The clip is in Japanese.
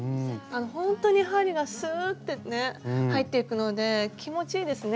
ほんとに針がすってね入っていくので気持ちいいですね。